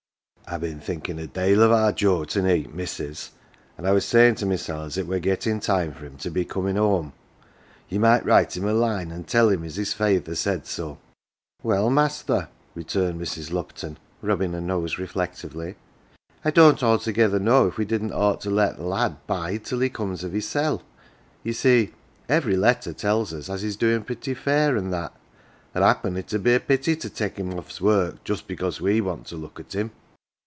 " Fve been thinkin 1 a dale of our Joe to neet, missus, an" I was savin 1 to mysel 1 as it were gettin 1 time for him to be comin 1 home. Ye might write him a line an 1 tell him as his feyther says so. 11 " Well, master, 11 returned Mrs. Lupton, rubbing her nose reflectively, " I don't altogether know if we didn't ought to let th 1 lad bide till he comes of hissel 1 . Ye see, every letter tells us as he's doin 1 pretty fair, an 1 that ; an 1 happen it 'ud be a pity to take him ofTs work just because we want to look at him.